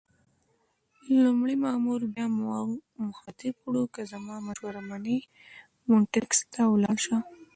لومړي مامور بیا موږ مخاطب کړو: که زما مشوره منې مونټریکس ته ولاړ شه.